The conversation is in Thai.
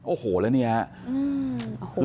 โอ้โหแล้วเนี่ยฮะ